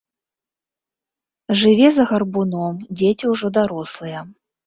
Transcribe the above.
Жыве за гарбуном, дзеці ўжо дарослыя.